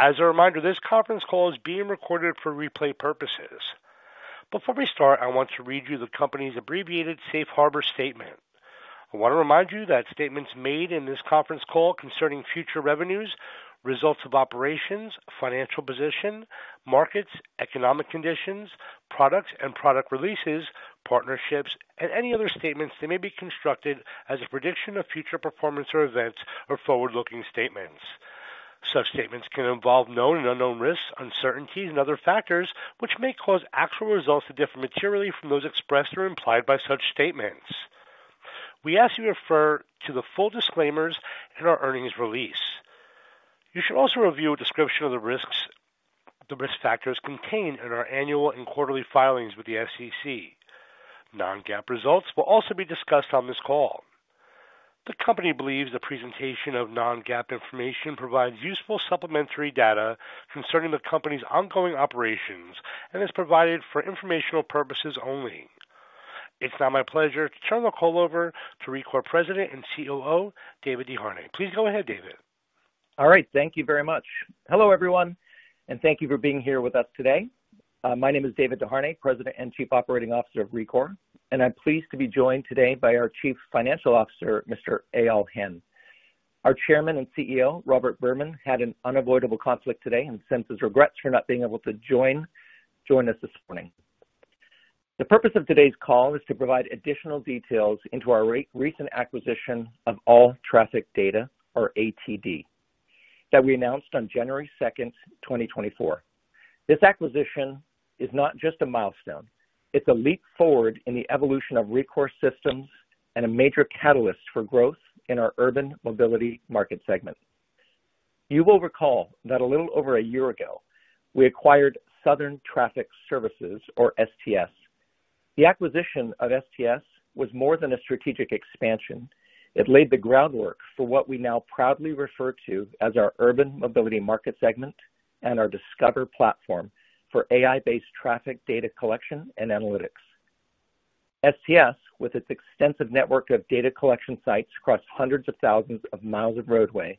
As a reminder, this conference call is being recorded for replay purposes. Before we start, I want to read you the company's abbreviated safe harbor statement. I want to remind you that statements made in this conference call concerning future revenues, results of operations, financial position, markets, economic conditions, products and product releases, partnerships, and any other statements that may be construed as a prediction of future performance or events or forward-looking statements. Such statements can involve known and unknown risks, uncertainties, and other factors, which may cause actual results to differ materially from those expressed or implied by such statements. We ask you to refer to the full disclaimers in our earnings release. You should also review a description of the risks, the risk factors contained in our annual and quarterly filings with the SEC. Non-GAAP results will also be discussed on this call. The company believes the presentation of non-GAAP information provides useful supplementary data concerning the company's ongoing operations and is provided for informational purposes only. It's now my pleasure to turn the call over to Rekor President and COO, David Desharnais. Please go ahead, David. All right. Thank you very much. Hello, everyone, and thank you for being here with us today. My name is David Desharnais, President and Chief Operating Officer of Rekor, and I'm pleased to be joined today by our Chief Financial Officer, Mr. Eyal Hen. Our Chairman and CEO, Robert Berman, had an unavoidable conflict today and sends his regrets for not being able to join us this morning. The purpose of today's call is to provide additional details into our recent acquisition of All Traffic Data, or ATD, that we announced on January 2nd, 2024. This acquisition is not just a milestone, it's a leap forward in the evolution of Rekor Systems and a major catalyst for growth in our urban mobility market segment. You will recall that a little over a year ago, we acquired Southern Traffic Services, or STS. The acquisition of STS was more than a strategic expansion. It laid the groundwork for what we now proudly refer to as our urban mobility market segment and our Discover platform for AI-based traffic data collection and analytics. STS, with its extensive network of data collection sites across hundreds of thousands of miles of roadway,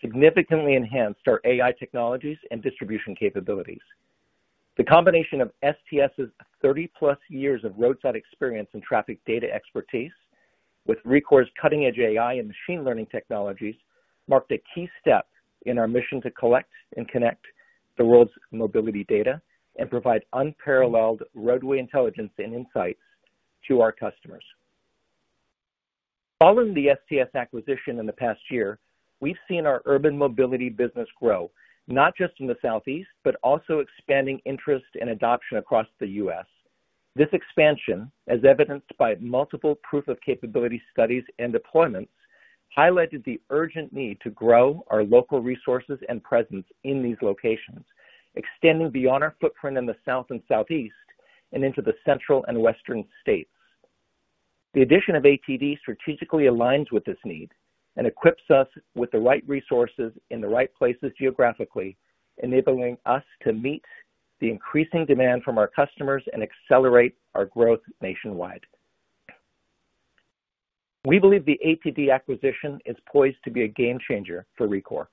significantly enhanced our AI technologies and distribution capabilities. The combination of STS's thirty-plus years of roadside experience and traffic data expertise with Rekor's cutting-edge AI and machine learning technologies, marked a key step in our mission to collect and connect the world's mobility data and provide unparalleled roadway intelligence and insights to our customers. Following the STS acquisition in the past year, we've seen our urban mobility business grow, not just in the Southeast, but also expanding interest and adoption across the U.S. This expansion, as evidenced by multiple proof of capability studies and deployments, highlighted the urgent need to grow our local resources and presence in these locations, extending beyond our footprint in the South and Southeast and into the central and western states. The addition of ATD strategically aligns with this need and equips us with the right resources in the right places geographically, enabling us to meet the increasing demand from our customers and accelerate our growth nationwide. We believe the ATD acquisition is poised to be a game-changer for Rekor.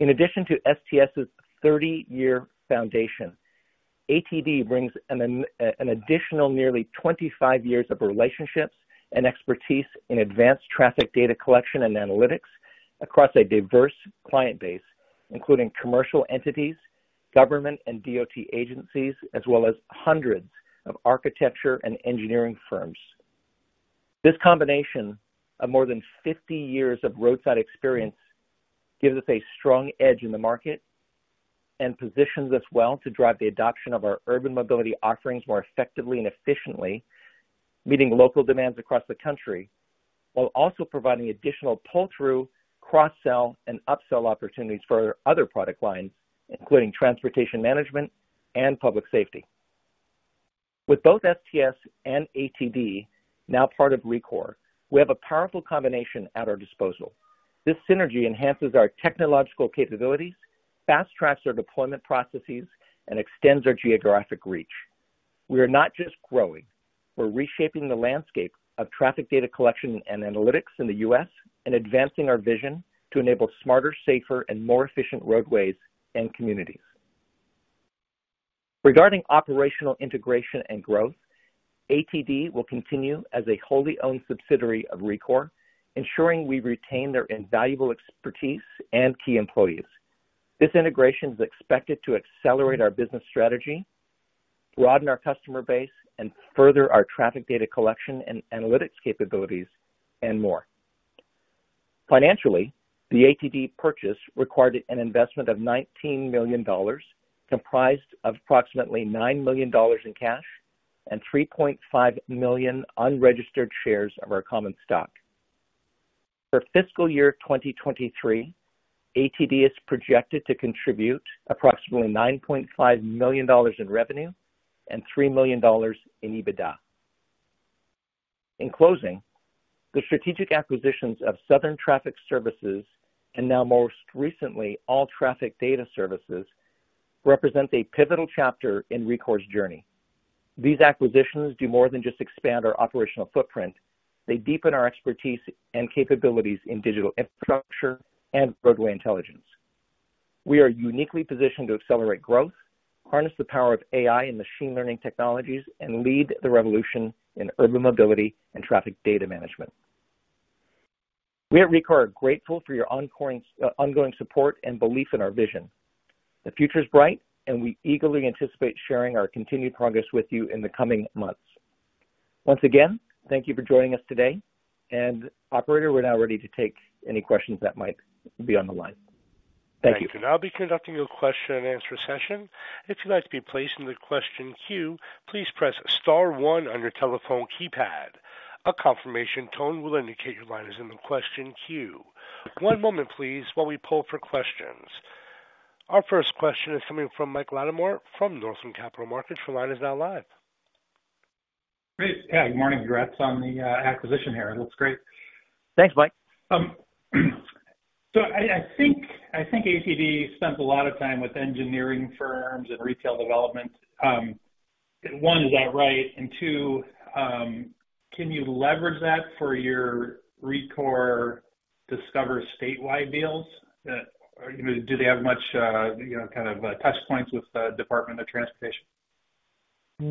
In addition to STS's 30-year foundation, ATD brings an additional nearly 25 years of relationships and expertise in advanced traffic data collection and analytics across a diverse client base, including commercial entities, government and DOT agencies, as well as hundreds of architecture and engineering firms. This combination of more than 50 years of roadside experience gives us a strong edge in the market and positions us well to drive the adoption of our urban mobility offerings more effectively and efficiently, meeting local demands across the country, while also providing additional pull-through, cross-sell, and upsell opportunities for our other product lines, including transportation management and public safety. With both STS and ATD now part of Rekor, we have a powerful combination at our disposal. This synergy enhances our technological capabilities, fast-tracks our deployment processes, and extends our geographic reach. We are not just growing, we're reshaping the landscape of traffic data collection and analytics in the U.S. and advancing our vision to enable smarter, safer, and more efficient roadways and communities. Regarding operational integration and growth, ATD will continue as a wholly owned subsidiary of Rekor, ensuring we retain their invaluable expertise and key employees. This integration is expected to accelerate our business strategy, broaden our customer base, and further our traffic data collection and analytics capabilities and more. Financially, the ATD purchase required an investment of $19 million, comprised of approximately $9 million in cash and 3.5 million unregistered shares of our common stock. For fiscal year 2023, ATD is projected to contribute approximately $9.5 million in revenue and $3 million in EBITDA. In closing, the strategic acquisitions of Southern Traffic Services, and now most recently, All Traffic Data Services, represent a pivotal chapter in Rekor's journey. These acquisitions do more than just expand our operational footprint. They deepen our expertise and capabilities in digital infrastructure and roadway intelligence. We are uniquely positioned to accelerate growth, harness the power of AI and machine learning technologies, and lead the revolution in urban mobility and traffic data management. We at Rekor are grateful for your ongoing, ongoing support and belief in our vision. The future is bright, and we eagerly anticipate sharing our continued progress with you in the coming months. Once again, thank you for joining us today, and operator, we're now ready to take any questions that might be on the line. Thank you. I will now be conducting a question-and-answer session. If you'd like to be placed in the question queue, please press star one on your telephone keypad. A confirmation tone will indicate your line is in the question queue. One moment, please, while we poll for questions. Our first question is coming from Mike Latimore from Northland Capital Markets. Your line is now live. Great. Yeah, good morning. Congrats on the acquisition here. It looks great. Thanks, Mike. So I think ATD spends a lot of time with engineering firms and retail development. One, is that right? And two, can you leverage that for your Rekor Discover statewide deals? You know, do they have much, you know, kind of, touch points with the Department of Transportation?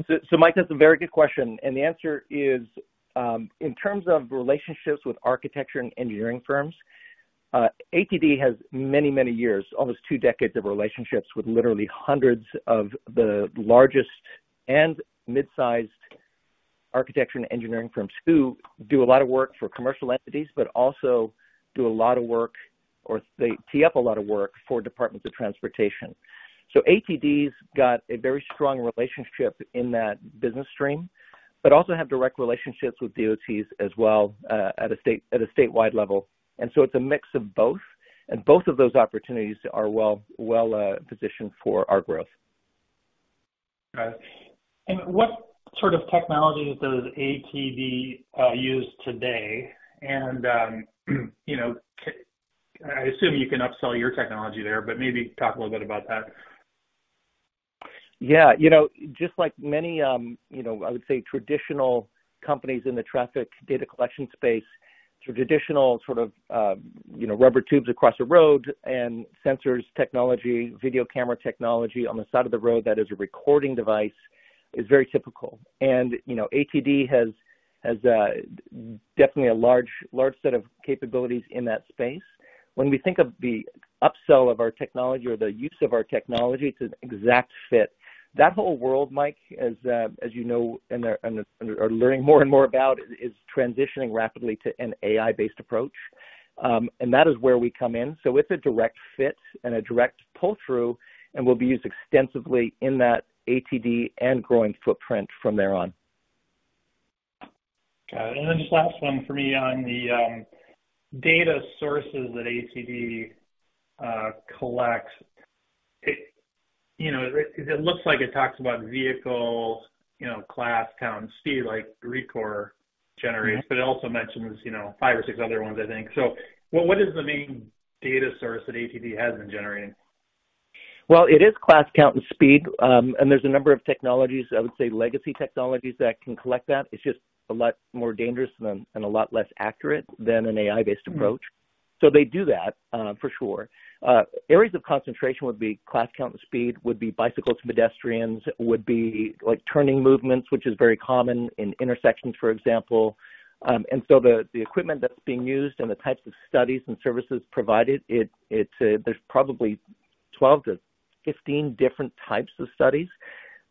So, so Mike, that's a very good question, and the answer is, in terms of relationships with architecture and engineering firms, ATD has many, many years, almost two decades of relationships with literally hundreds of the largest and mid-sized architecture and engineering firms, who do a lot of work for commercial entities, but also do a lot of work, or they tee up a lot of work for Departments of Transportation. So ATD's got a very strong relationship in that business stream, but also have direct relationships with DOTs as well, at a state, at a statewide level. And so it's a mix of both, and both of those opportunities are well, well, positioned for our growth. Got it. And what sort of technologies does ATD use today? And, you know, I assume you can upsell your technology there, but maybe talk a little bit about that. Yeah, you know, just like many, you know, I would say traditional companies in the traffic data collection space, traditional sort of, you know, rubber tubes across the road and sensors technology, video camera technology on the side of the road that is a recording device, is very typical. And, you know, ATD has definitely a large, large set of capabilities in that space. When we think of the upsell of our technology or the use of our technology, it's an exact fit. That whole world, Mike, as you know, and are learning more and more about, is transitioning rapidly to an AI-based approach. And that is where we come in. So it's a direct fit and a direct pull-through and will be used extensively in that ATD and growing footprint from there on. Got it. And then just last one for me on the data sources that ATD collects. It, you know, it looks like it talks about vehicle, you know, class, count, and speed, like Rekor generates, but it also mentions, you know, five or six other ones, I think. So what, what is the main data source that ATD has been generating? Well, it is class, count, and speed. And there's a number of technologies, I would say, legacy technologies that can collect that. It's just a lot more dangerous than, and a lot less accurate than an AI-based approach. So they do that, for sure. Areas of concentration would be class, count, and speed, would be bicycles and pedestrians, would be like, turning movements, which is very common in intersections, for example. And so the equipment that's being used and the types of studies and services provided, there's probably 12-15 different types of studies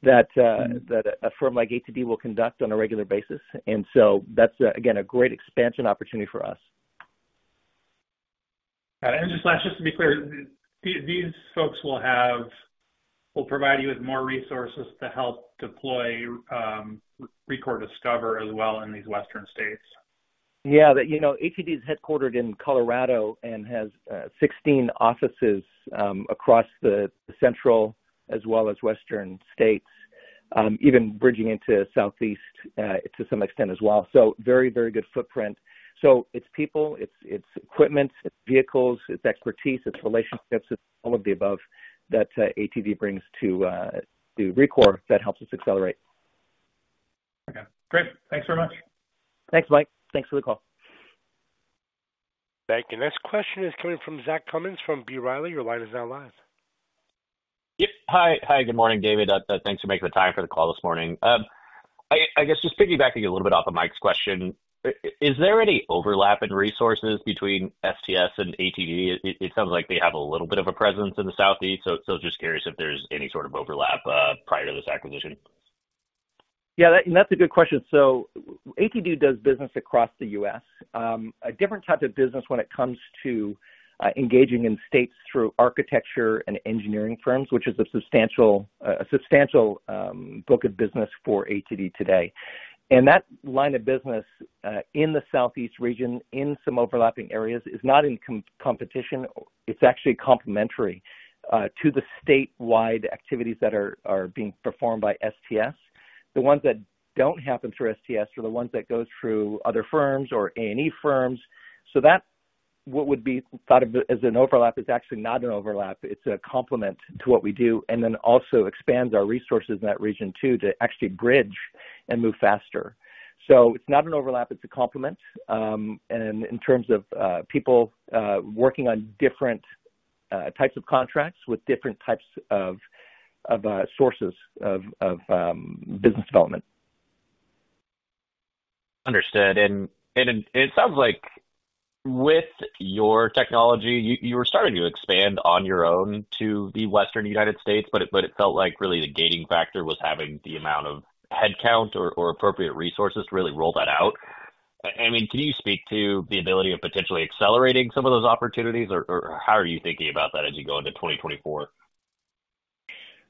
that a firm like ATD will conduct on a regular basis. And so that's, again, a great expansion opportunity for us. Just to be clear, these folks will provide you with more resources to help deploy Rekor Discover as well in these Western states? Yeah, but you know, ATD is headquartered in Colorado and has 16 offices across the central as well as western states, even bridging into the Southeast, to some extent as well. So very, very good footprint. So it's people, it's equipment, it's vehicles, it's expertise, it's relationships. It's all of the above that ATD brings to to Rekor that helps us accelerate. Okay, great. Thanks very much. Thanks, Mike. Thanks for the color. Thank you. Next question is coming from Zach Cummins from B. Riley. Your line is now live. Yep, hi. Hi, good morning, David. Thanks for making the time for the call this morning. I guess just piggybacking a little bit off of Mike's question, is there any overlap in resources between STS and ATD? It sounds like they have a little bit of a presence in the Southeast, so just curious if there's any sort of overlap prior to this acquisition. Yeah, and that's a good question. So ATD does business across the U.S. A different type of business when it comes to engaging in states through architecture and engineering firms, which is a substantial book of business for ATD today. And that line of business in the Southeast region, in some overlapping areas, is not in competition. It's actually complementary to the statewide activities that are being performed by STS. The ones that don't happen through STS are the ones that go through other firms or A&E firms. So what would be thought of as an overlap is actually not an overlap. It's a complement to what we do, and then also expands our resources in that region, too, to actually bridge and move faster. So it's not an overlap, it's a complement. In terms of people working on different types of contracts with different types of sources of business development. Understood. And it sounds like with your technology, you were starting to expand on your own to the Western United States, but it felt like really the gating factor was having the amount of headcount or appropriate resources to really roll that out. I mean, can you speak to the ability of potentially accelerating some of those opportunities, or how are you thinking about that as you go into 2024?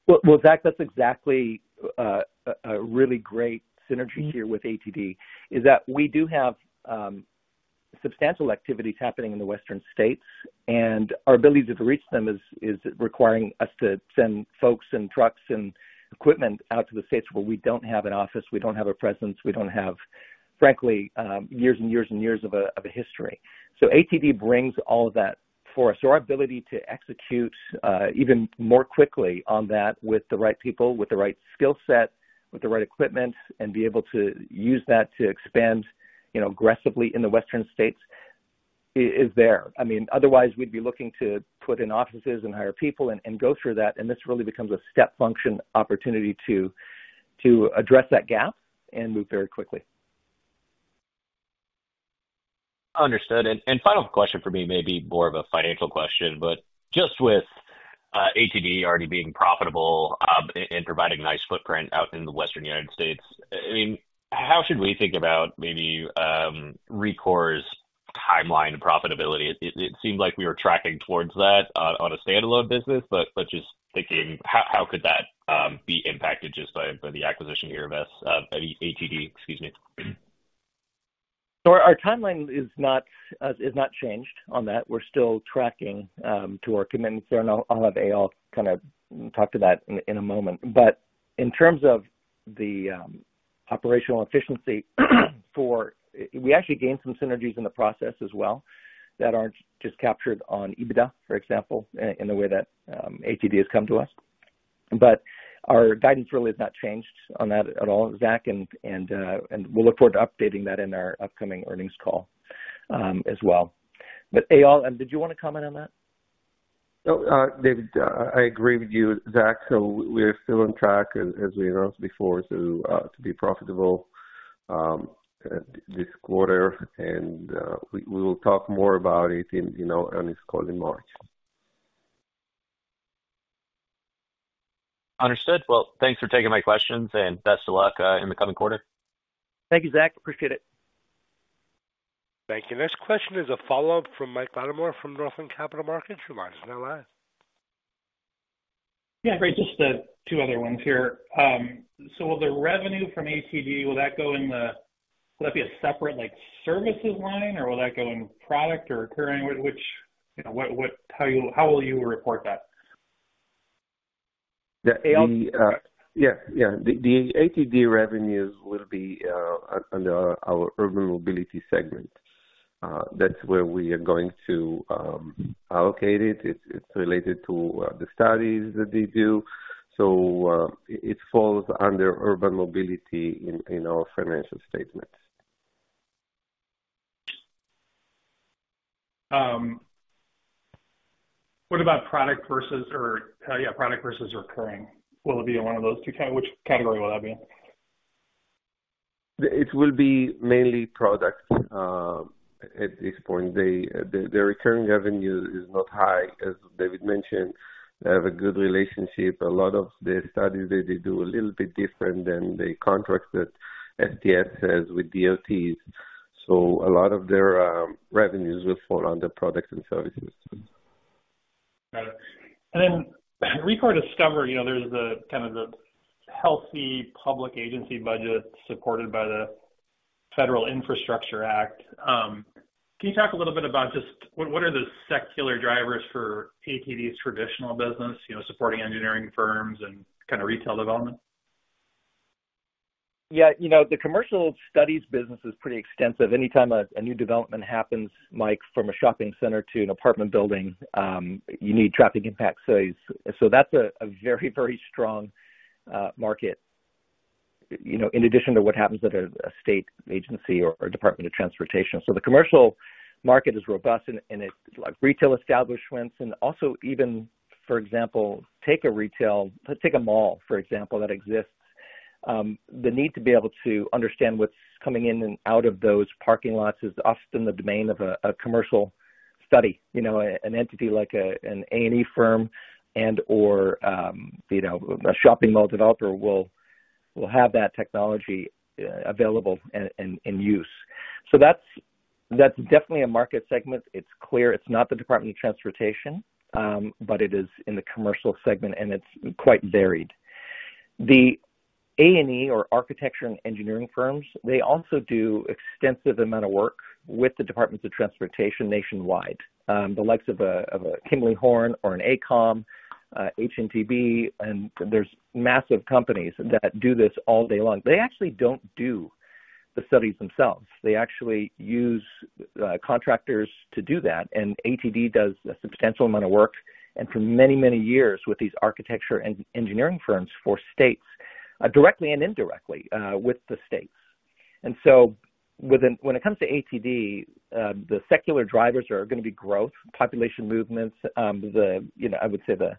Well, well, Zach, that's exactly a really great synergy here with ATD, is that we do have substantial activities happening in the Western states, and our ability to reach them is requiring us to send folks and trucks and equipment out to the states where we don't have an office, we don't have a presence, we don't have, frankly, years and years and years of a history. So ATD brings all of that for us. So our ability to execute even more quickly on that with the right people, with the right skill set, with the right equipment, and be able to use that to expand, you know, aggressively in the Western states, is there. I mean, otherwise we'd be looking to put in offices and hire people and, and go through that, and this really becomes a step function opportunity to, to address that gap and move very quickly. Understood. And final question for me, may be more of a financial question, but just with ATD already being profitable, and providing nice footprint out in the western United States, I mean, how should we think about maybe Rekor's timeline profitability? It seems like we were tracking towards that on a standalone business, but just thinking, how could that be impacted just by the acquisition here of ATD, excuse me? So our timeline is not is not changed on that. We're still tracking to our commitments, so I'll have Eyal kind of talk to that in a moment. But in terms of the operational efficiency. We actually gained some synergies in the process as well, that aren't just captured on EBITDA, for example, in the way that ATD has come to us. But our guidance really has not changed on that at all, Zach, and, and, and we'll look forward to updating that in our upcoming earnings call, as well. But Eyal, did you want to comment on that? No, David, I agree with you, Zach. So we're still on track, as we announced before, to be profitable this quarter, and we will talk more about it, you know, on this call in March. Understood. Well, thanks for taking my questions, and best of luck in the coming quarter. Thank you, Zach. Appreciate it. Thank you. Next question is a follow-up from Mike Latimore from Northland Capital Markets. Your line is now live. Yeah, great. Just, two other ones here. So will the revenue from ATD will that be a separate, like, services line, or will that go in product or recurring? Which, you know, how will you report that? The ATD revenues will be under our Urban Mobility segment. That's where we are going to allocate it. It's related to the studies that they do. So, it falls under Urban Mobility in our financial statements. What about product versus recurring? Will it be in one of those two? Which category will that be? It will be mainly product at this point. The recurring revenue is not high. As David mentioned, they have a good relationship. A lot of the studies that they do a little bit different than the contracts that STS has with DOTs. So a lot of their revenues will fall under products and services. Got it. And then Rekor Discover, you know, there's the kind of the healthy public agency budget supported by the Federal Infrastructure Act. Can you talk a little bit about just what, what are the secular drivers for ATD's traditional business, you know, supporting engineering firms and kind of retail development? Yeah. You know, the commercial studies business is pretty extensive. Anytime a new development happens, Mike, from a shopping center to an apartment building, you need traffic impact studies. So that's a very, very strong market, you know, in addition to what happens at a state agency or Department of Transportation. So the commercial market is robust and it, like, retail establishments and also even, for example, take a retail, let's take a mall, for example, that exists. The need to be able to understand what's coming in and out of those parking lots is often the domain of a commercial study. You know, an entity like an A&E firm and/or, you know, a shopping mall developer will have that technology available and in use. So that's definitely a market segment. It's clear it's not the Department of Transportation, but it is in the commercial segment, and it's quite varied. The A&E or architecture and engineering firms, they also do extensive amount of work with the Departments of Transportation nationwide. The likes of a Kimley-Horn or an AECOM, HNTB, and there's massive companies that do this all day long. They actually don't do the studies themselves. They actually use contractors to do that, and ATD does a substantial amount of work, and for many, many years, with these architecture and engineering firms for states, directly and indirectly, with the states. And so, when it comes to ATD, the secular drivers are gonna be growth, population movements, you know, I would say the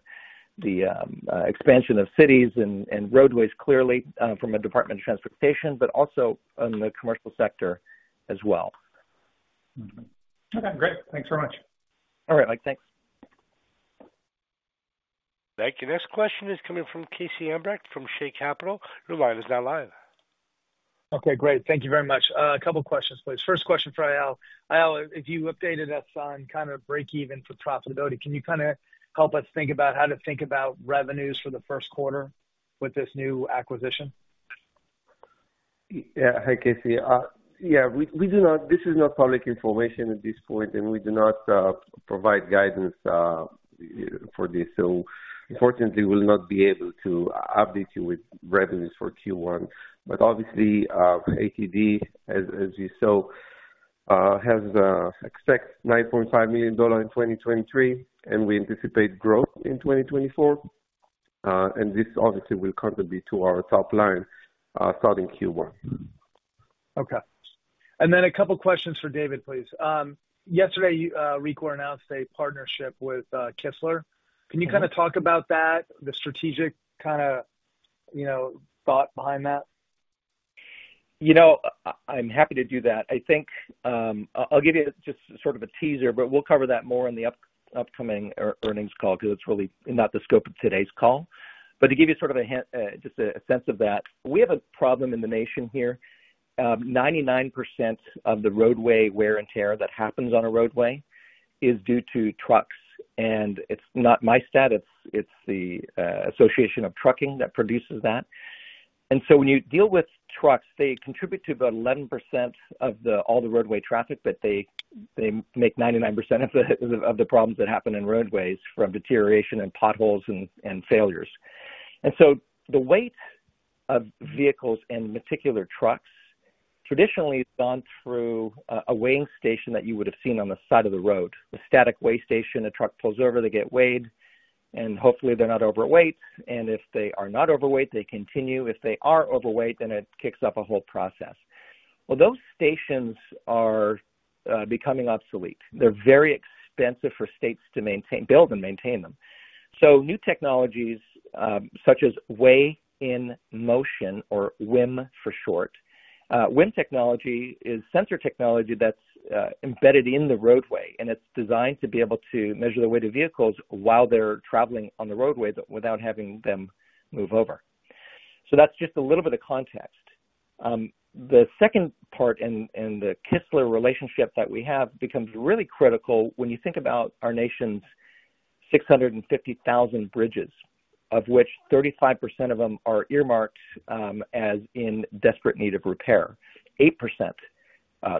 expansion of cities and roadways clearly, from a Department of Transportation, but also in the commercial sector as well. Mm-hmm. Okay, great. Thanks very much. All right, Mike. Thanks. Thank you. Next question is coming from Casey Verbeck from Shay Capital. Your line is now live. Okay, great. Thank you very much. A couple questions, please. First question for Eyal. Eyal, if you updated us on kind of breakeven for profitability, can you kind of help us think about how to think about revenues for the first quarter with this new acquisition? Yeah. Hi, Casey. Yeah, we do not, this is not public information at this point, and we do not provide guidance for this, so unfortunately, we'll not be able to update you with revenues for Q1. But obviously, ATD, as you saw, has expects $9.5 million in 2023, and we anticipate growth in 2024, and this obviously will contribute to our top line starting Q1. Mm-hmm. Okay, and then a couple questions for David, please. Yesterday, Rekor announced a partnership with Kistler. Can you kind of talk about that, the strategic kind of, you know, thought behind that? You know, I'm happy to do that. I think I'll give you just sort of a teaser, but we'll cover that more on the upcoming earnings call because it's really not the scope of today's call. To give you sort of a hint, just a sense of that, we have a problem in the nation here. 99% of the roadway wear and tear that happens on a roadway is due to trucks, and it's not my stat, it's the Association of Trucking that produces that. So when you deal with trucks, they contribute to about 11% of all the roadway traffic, but they make 99% of the problems that happen in roadways from deterioration and potholes and failures. And so the weight of vehicles, in particular, trucks, traditionally has gone through a weighing station that you would have seen on the side of the road. A static weigh station, a truck pulls over, they get weighed, and hopefully they're not overweight, and if they are not overweight, they continue. If they are overweight, then it kicks up a whole process. Well, those stations are becoming obsolete. They're very expensive for states to maintain, build and maintain them. So new technologies, such as Weigh-in-Motion, or WIM for short. WIM technology is sensor technology that's embedded in the roadway, and it's designed to be able to measure the weight of vehicles while they're traveling on the roadway, but without having them move over. So that's just a little bit of context. The second part in the Kistler relationship that we have becomes really critical when you think about our nation's 650,000 bridges, of which 35% of them are earmarked as in desperate need of repair. Eight percent,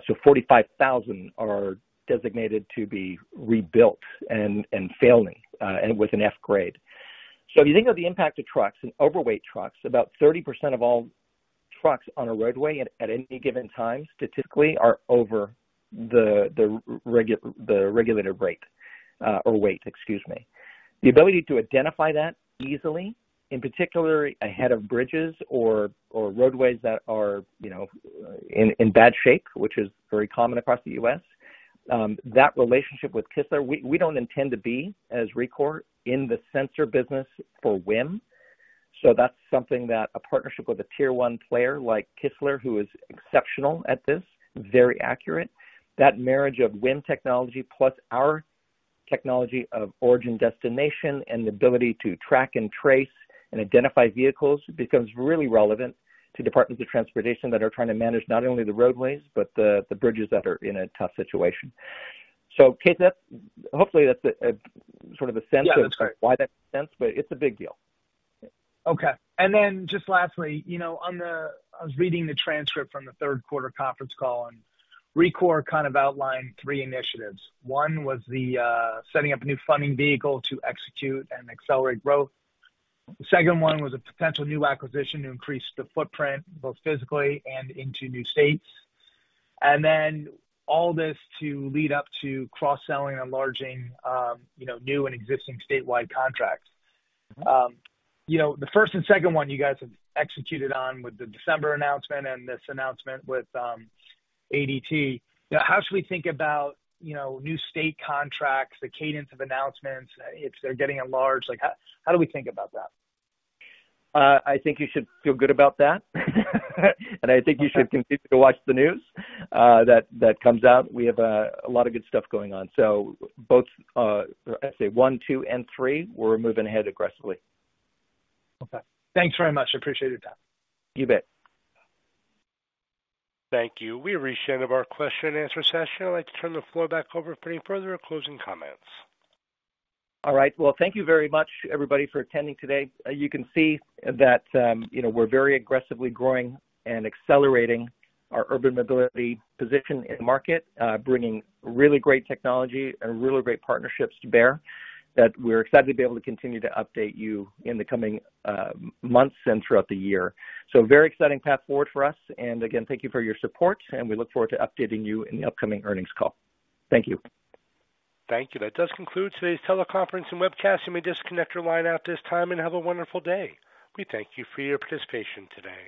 so 45,000, are designated to be rebuilt and failing and with an F grade. So if you think of the impact of trucks and overweight trucks, about 30% of all trucks on a roadway at any given time, statistically, are over the regu- the regulator break or weight, excuse me. The ability to identify that easily, in particular, ahead of bridges or roadways that are, you know, in bad shape, which is very common across the U.S., that relationship with Kistler, we don't intend to be, as Rekor, in the sensor business for WIM. So that's something that a partnership with a tier one player like Kistler, who is exceptional at this, very accurate. That marriage of WIM technology, plus our technology of origin, destination, and the ability to track and trace and identify vehicles, becomes really relevant to departments of transportation that are trying to manage not only the roadways, but the bridges that are in a tough situation. So, Casey, that's hopefully that's a sort of a sense- Yeah, that's great. of why that makes sense, but it's a big deal. Okay. And then just lastly, you know, on the... I was reading the transcript from the third quarter conference call, and Rekor kind of outlined three initiatives. One was the setting up a new funding vehicle to execute and accelerate growth. The second one was a potential new acquisition to increase the footprint, both physically and into new states. And then all this to lead up to cross-selling and enlarging, you know, new and existing statewide contracts. You know, the first and second one you guys have executed on with the December announcement and this announcement with ATD. Now, how should we think about, you know, new state contracts, the cadence of announcements, if they're getting enlarged? Like, how do we think about that? I think you should feel good about that. I think you should continue to watch the news that comes out. We have a lot of good stuff going on. So both, I'd say one, two, and three, we're moving ahead aggressively. Okay. Thanks very much. Appreciate it, David. You bet. Thank you. We've reached the end of our question and answer session. I'd like to turn the floor back over for any further closing comments. All right. Well, thank you very much, everybody, for attending today. You can see that, you know, we're very aggressively growing and accelerating our urban mobility position in the market, bringing really great technology and really great partnerships to bear, that we're excited to be able to continue to update you in the coming months and throughout the year. So very exciting path forward for us. And again, thank you for your support, and we look forward to updating you in the upcoming earnings call. Thank you. Thank you. That does conclude today's teleconference and webcast. You may disconnect your line at this time and have a wonderful day. We thank you for your participation today.